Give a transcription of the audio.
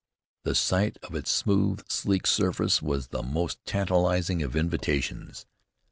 The sight of its smooth, sleek surface was the most tantalizing of invitations.